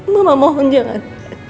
mama mohon jangan